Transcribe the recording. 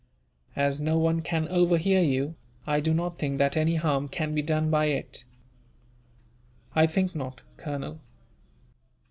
As no one can overhear you, I do not think that any harm can be done by it." "I think not, Colonel."